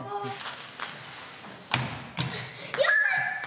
よっしゃ！